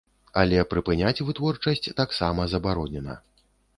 Але прыпыняць вытворчасць таксама забаронена.